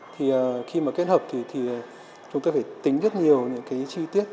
thì khi mà kết hợp thì chúng tôi phải tính rất nhiều những cái chi tiết